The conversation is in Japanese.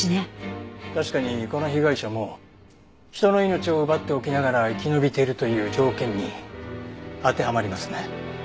確かにこの被害者も人の命を奪っておきながら生き延びてるという条件に当てはまりますね。